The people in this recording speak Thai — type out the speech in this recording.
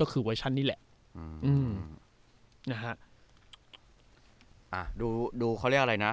ก็คือเวอร์ชันนี่แหละอืมอืมนะฮะอ่าดูดูเขาเรียกอะไรนะ